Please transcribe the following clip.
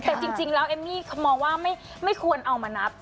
แต่จริงแล้วเอมมี่เขามองว่าไม่ควรเอามานับ